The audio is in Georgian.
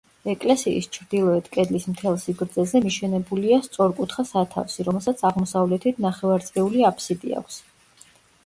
ეკლესიის ჩრდილოეთ კედლის მთელ სიგრძეზე მიშენებულია სწორკუთხა სათავსი, რომელსაც აღმოსავლეთით ნახევარწრიული აფსიდი აქვს.